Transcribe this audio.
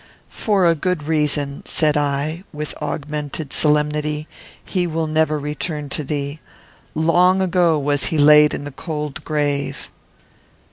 "For a good reason," said I, with augmented solemnity, "he will never return to thee. Long ago was he laid in the cold grave."